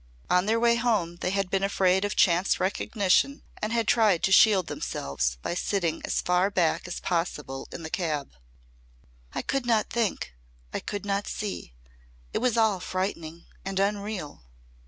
On their way home they had been afraid of chance recognition and had tried to shield themselves by sitting as far back as possible in the cab. "I could not think. I could not see. It was all frightening and unreal."